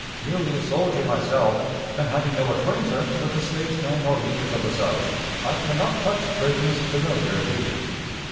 Merely a soldier myself, and having no acquaintance with the statesmen or leaders of the South, I can not touch springs familiar to you.